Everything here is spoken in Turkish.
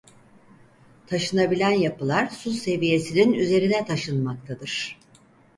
Taşınabilen yapılar su seviyesinin üzerine taşınmaktadır.